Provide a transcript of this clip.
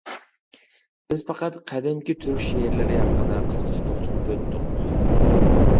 بىز پەقەت قەدىمكى تۈرك شېئىرلىرى ھەققىدە قىسقىچە توختىلىپ ئۆتتۇق.